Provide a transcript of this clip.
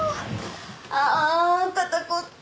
あ肩凝った。